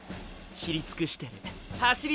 走りつくしてる！